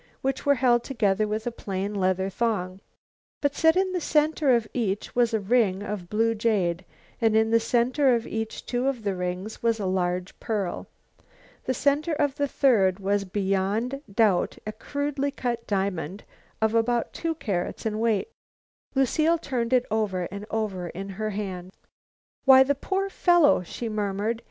They were held together with a plain leather thong, but set in the center of each was a ring of blue jade and in the center of each of two of the rings was a large pearl. The center of the third was beyond doubt a crudely cut diamond of about two carats weight. Lucile turned it over and over in her palm. "Why, the poor fellow," she murmured.